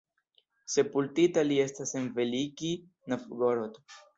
Sepultita li estas en Velikij Novgorod.